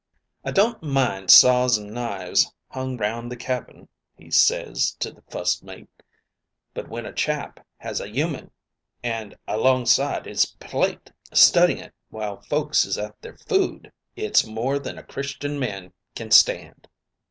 'I don't mind saws an' knives hung round the cabin,' he ses to the fust mate, 'but when a chap has a 'uman 'and alongside 'is plate, studying it while folks is at their food, it's more than a Christian man can stand."